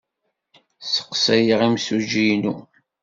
Sseqsayeɣ imsujji-inu.